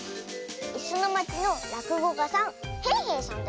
「いすのまち」のらくごかさんへいへいさんだよ。